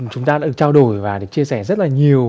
chúng ta đã được trao đổi và được chia sẻ rất là nhiều